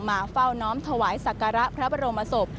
มาเฝ้าน้อมถวายศักระพระบรมศพ